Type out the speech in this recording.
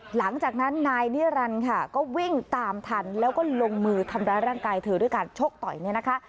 หลังจากนั้นนายนิรันดิ์ค่ะก็วิ่งตามทันแล้วก็ลงมือทำร้ายร่างกายเธอด้วยการชกต่อยเนี่ยนะคะ